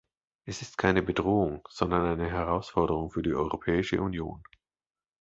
Es ist keine Bedrohung, sondern eine Herausforderung für die Europäische Union.